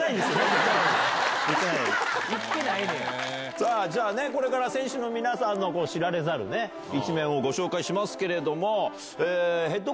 さぁこれから選手の皆さんの知られざる一面をご紹介しますけれども。